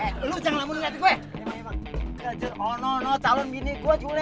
eh lu jangan lambu liat gue